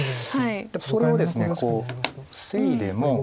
それをですねこう防いでも。